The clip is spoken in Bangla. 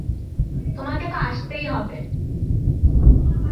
তোমাকে তো আসতেই হবে।